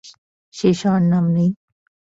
শেষ হওয়ার নাম নেই।